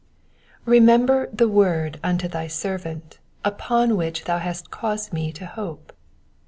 REMEMBER the word unto thy servant, upon which thou hast caused me to hope.